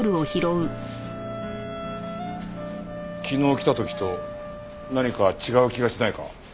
昨日来た時と何か違う気がしないか？